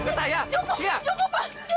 cukup cukup pak